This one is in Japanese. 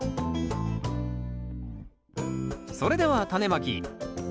それではタネまき。